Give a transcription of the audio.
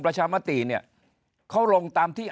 ประชามติเนี่ยเขาลงตามที่